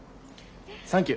サンキュー。